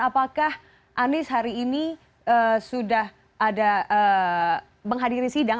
apakah anies hari ini sudah ada menghadiri sidang